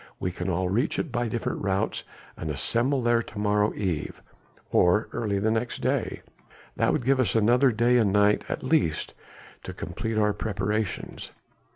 We can all reach it by different routes and assemble there to morrow eve or early the next day. That would give us another day and night at least to complete our preparations.